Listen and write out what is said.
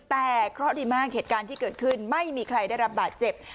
แต่เคราะห์ดีมากเหตุการณ์ที่เกิดขึ้นไม่มีใครได้รับบาดเจ็บ